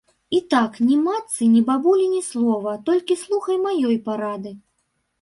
І так, ні матцы, ні бабулі ні слова, толькі слухаць маёй парады.